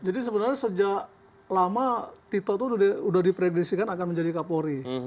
jadi sebenarnya sejak lama tito itu sudah dipredisikan akan menjadi kapolri